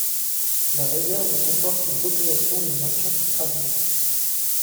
La réserve comporte une population de macaques crabiers.